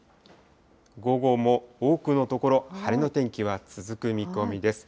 午後も多くの所、晴れの天気は続く見込みです。